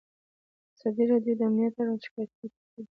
ازادي راډیو د امنیت اړوند شکایتونه راپور کړي.